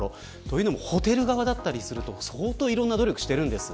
ホテル側だったりすると相当いろんな努力をしています。